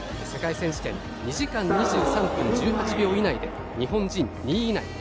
世界選手権２時間２３分１８秒以内で日本人２位以内。